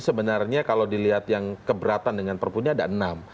sebenarnya kalau dilihat yang keberatan dengan perpunya ada enam